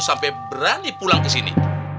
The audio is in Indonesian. sampai berani pulang kesini